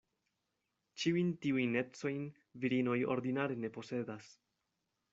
Ĉiujn tiujn ecojn virinoj ordinare ne posedas.